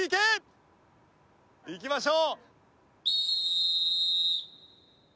いきましょう。